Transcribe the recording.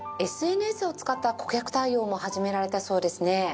ＳＮＳを使った顧客対応も始められたそうですね。